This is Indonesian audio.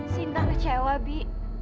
sinta kecewa bi